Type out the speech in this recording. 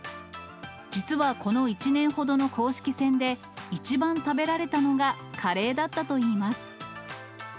実はこの１年ほどの公式戦で、一番食べられたのがカレーだったといいます。